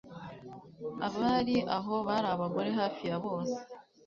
Abari aho bari abagore hafi ya bose